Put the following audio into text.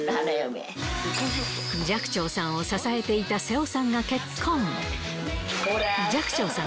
寂聴さんを支えていた瀬尾さんが結婚。